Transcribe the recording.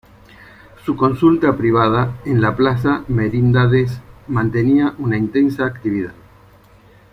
Su consulta privada, en la plaza Merindades, mantenía una intensa actividad.